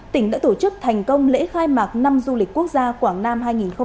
tỉnh đã tổ chức thành công lễ khai mạc năm du lịch quốc gia quảng nam hai nghìn hai mươi bốn